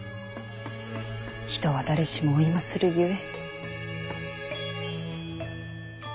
人は誰しも老いまするゆえ。